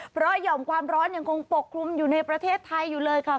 เพราะหย่อมความร้อนยังคงปกคลุมอยู่ในประเทศไทยอยู่เลยค่ะ